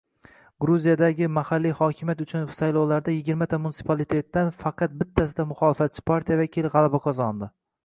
Gruziyadagi mahalliy hokimiyat uchun saylovlardayigirmata munitsipalitetdan faqat bittasida muxolifatchi partiya vakili g‘alaba qozondi